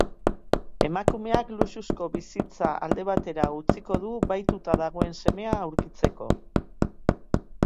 Emakumeak luxuzko bizitza alde batera utziko du bahituta dagoen semea aurkitzeko.